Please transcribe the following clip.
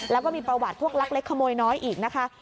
แล้วก็มีประวัติพวกลักเล็กขโมยน้อยอีกนะคะ